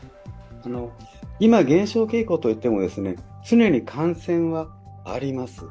今、減少傾向といっても常に感染はあります。